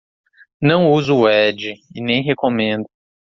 Não uso o Edge, e nem recomendo.